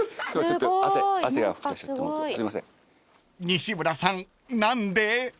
［西村さん何で？］